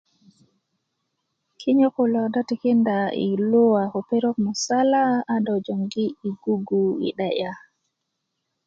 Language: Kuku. kinyö kulo do tikinda i luwa ko perok musala a do i gugu i 'de'ya